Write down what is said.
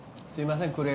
すいません